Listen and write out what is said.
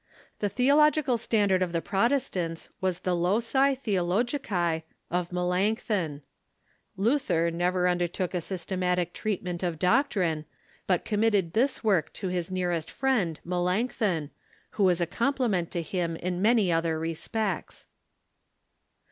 The theological standard of the Protestants was the "Loci Theologici" of Melanchthon. Luther never undertook a systematic treat ment of doctrine, but committed this work to his nearest friend, Melanchthon, who Avas a complement to him in many other respects.